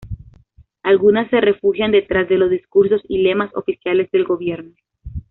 Algunas se refugian detrás de los discursos y lemas oficiales del gobierno.